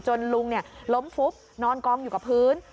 จนลุงเนี่ยล้มฟุบนอนกองอยู่กับพื้น